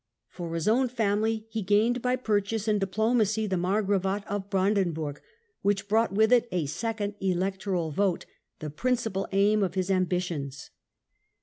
For his own family he gained by purchase and diplomacy the Margravate of Brandenburg, which brought with it a second electo ral vote — the principal aim of his ambitions.